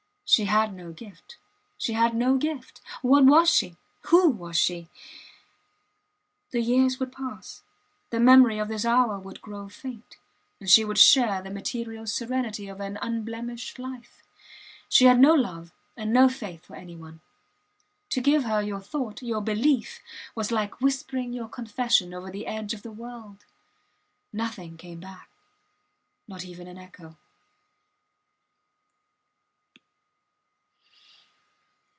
She had no gift she had no gift! What was she? Who was she? ... The years would pass; the memory of this hour would grow faint and she would share the material serenity of an unblemished life. She had no love and no faith for any one. To give her your thought, your belief, was like whispering your confession over the edge of the world. Nothing came back not even an echo.